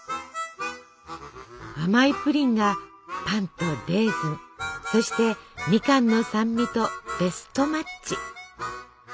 甘いプリンがパンとレーズンそしてみかんの酸味とベストマッチ。